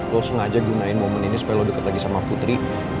lo sengaja gunain momen ini supaya lo dekat lagi sama putri